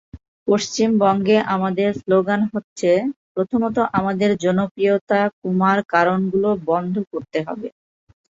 পশ্চিমবঙ্গে আমাদের স্লোগান হচ্ছে, প্রথমত আমাদের জনপ্রিয়তা কমার কারণগুলো বন্ধ করতে হবে।